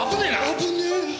危ねえ。